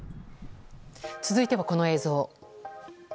続いては、この映像。